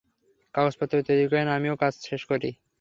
কাগজপত্র তৈরি করেন, আমিও কাজ শেষ করি।